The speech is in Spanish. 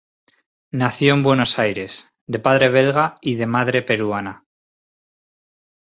Nació en Buenos Aires de padre belga y de madre peruana.